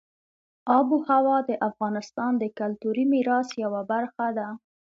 آب وهوا د افغانستان د کلتوري میراث یوه برخه ده.